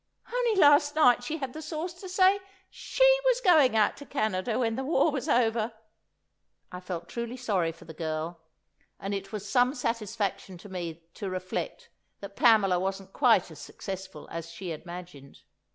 Only last night she had the sauce to say she was going out to Canada when the war was over!" I felt truly sorry for the girl, and it was some satisfaction to me to reflect that Pamela wasn't quite as successful as she imagined!